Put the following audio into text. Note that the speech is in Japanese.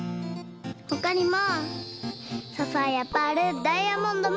ほかにもサファイアパールダイヤモンドもあります。